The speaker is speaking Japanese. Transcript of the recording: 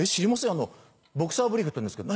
あのボクサーブリーフっていうんですけど」。